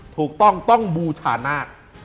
ถูกต้องต้องบูชานาค